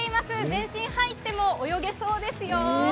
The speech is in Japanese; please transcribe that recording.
全身入っても泳げそうですよ。